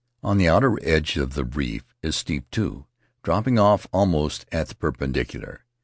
On the outer edge the reef is steep, too, dropping off almost at the perpendicular.